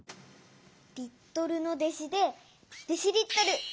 リットルの弟子でデシリットル。